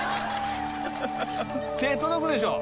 手届くでしょ。